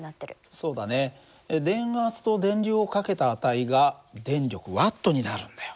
そうだね電圧と電流を掛けた値が電力Ｗになるんだよ。